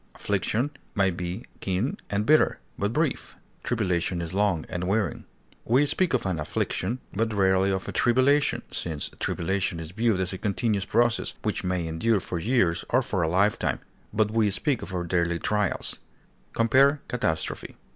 Affliction may be keen and bitter, but brief; tribulation is long and wearing. We speak of an affliction, but rarely of a tribulation, since tribulation is viewed as a continuous process, which may endure for years or for a lifetime; but we speak of our daily trials. Compare CATASTROPHE.